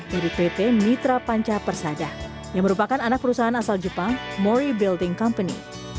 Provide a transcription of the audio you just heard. dari pt mitra panca persada yang merupakan anak perusahaan asal jepang mori building company